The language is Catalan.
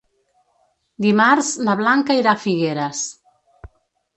Dimarts na Blanca irà a Figueres.